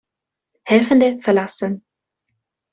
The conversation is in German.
Helfende verlassen.